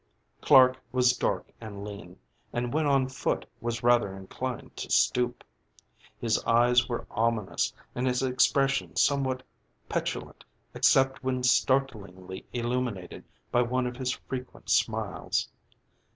Clark was dark and lean, and when on foot was rather inclined to stoop. His eyes were ominous and his expression somewhat petulant except when startlingly illuminated by one of his frequent smiles.